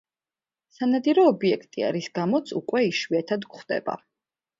სანადირო ობიექტია, რის გამოც უკვე იშვიათად გვხვდება.